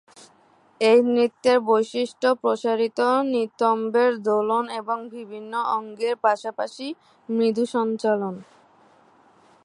এই নৃত্যের বৈশিষ্ট্য প্রসারিত নিতম্বের দোলন এবং বিভিন্ন অঙ্গের পাশাপাশি মৃদু সঞ্চালন।